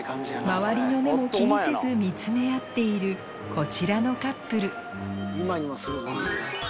周りの目も気にせず見詰め合っているこちらのカップル